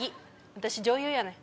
私女優やねん。